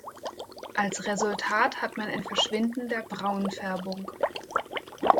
Als Resultat hat man ein Verschwinden der Braunfärbung.